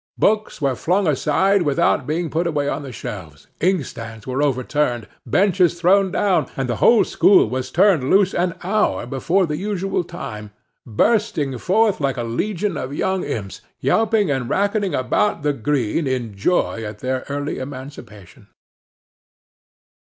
Books were flung aside without being put away on the shelves, inkstands were overturned, benches thrown down, and the whole school was turned loose an hour before the usual time, bursting forth like a legion of young imps, yelping and racketing about the green in joy at their early emancipation.